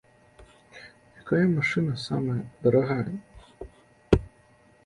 Якая машына самая дарагая?